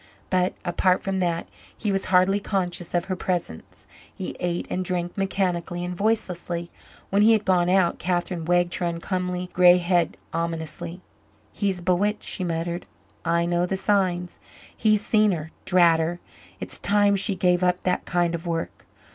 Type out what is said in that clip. But, apart from that, he was hardly conscious of her presence. He ate and drank mechanically and voicelessly. When he had gone out, Catherine wagged her uncomely grey head ominously. "He's bewitched," she muttered. "I know the signs. He's seen her drat her! It's time she gave up that kind of work.